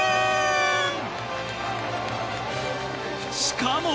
しかも。